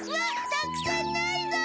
たくさんないぞ！